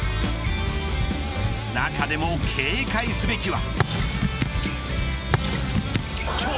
中でも、警戒すべきは。